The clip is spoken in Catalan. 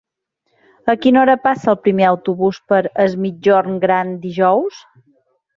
A quina hora passa el primer autobús per Es Migjorn Gran dijous?